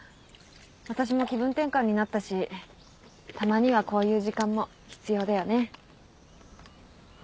私も気分転換になったしたまにはこういう時間も必要だよね。